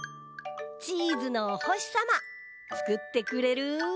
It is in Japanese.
チーズのおほしさまつくってくれる？